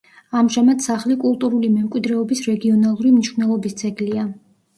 ამჟამად სახლი კულტურული მემკვიდრეობის რეგიონალური მნიშვნელობის ძეგლია.